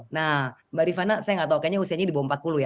nah mbak rifana saya nggak tahu kayaknya usianya di bawah empat puluh ya